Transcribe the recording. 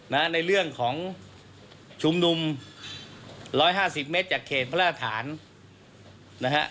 นะในเรื่องของชุมนุม๑๕๐เมตรจากเขตพระราฐานนะฮะ